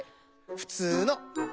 ふつうの。